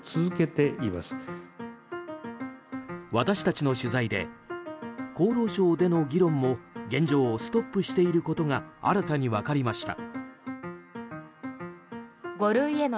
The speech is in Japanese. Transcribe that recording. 私たちの取材で厚労省での議論も現状ストップしていることが新たに分かりました。